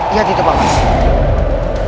ya di situ pak man